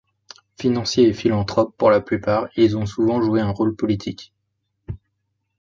Financiers et philanthropes pour la plupart, ils ont souvent joué un rôle politique.